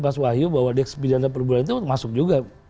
pak wahyu bahwa di ekspedien perguruan itu masuk juga